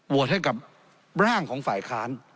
ให้กับร่างของฝ่ายค้าน